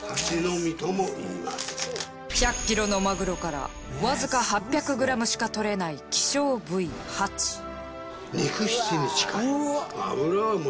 １００キロのマグロからわずか８００グラムしかとれない希少部位ハチ。